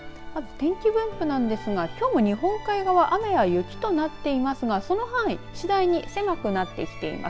天気分布なんですがきょうは日本海側雨や雪となっていますがその範囲、次第に狭くなってきています。